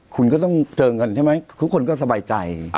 คุณก็ต้องเจอเงินใช่ไหมทุกคนก็สบายใจ